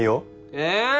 え！